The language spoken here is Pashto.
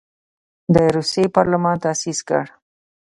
د روسیې پارلمان تاسیس کړ.